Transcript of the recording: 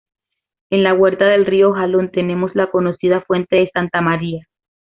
En la huerta del río Jalón tenemos la conocida Fuente de Santa María.